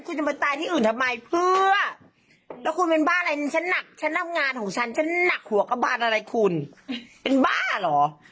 คุณจะมาตายที่อื่นทำไมเพื่อแล้วคุณเป็นบ้าอะไรฉันหนักฉันทำงานของฉันฉันหนักหัวกระบานอะไรคุณเป็นบ้าเหรอ